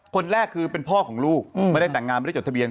คนแรกคือเป็นพ่อของลูกไม่ได้แต่งงานไม่ได้จดทะเบียน